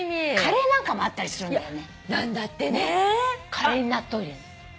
カレーに納豆入れんの。